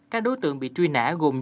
các đối tượng bị truy nã gồm dương đại